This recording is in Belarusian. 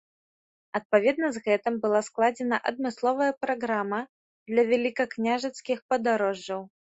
Адпаведна з гэтым была складзена адмысловая праграма для вялікакняжацкіх падарожжаў.